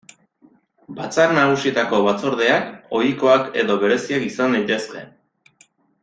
Batzar Nagusietako Batzordeak ohikoak edo bereziak izan daitezke.